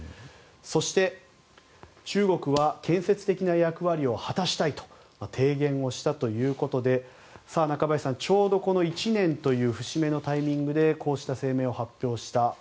そして、中国は建設的な役割を果たしたいと提言をしたということで中林さん、ちょうど１年という節目のタイミングでこうした声明を発表した。